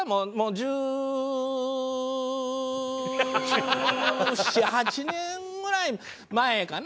１７１８年ぐらい前かな。